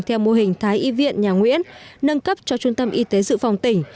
theo mô hình thái y viện nhà nguyễn nâng cấp cho trung tâm y tế dự phòng tỉnh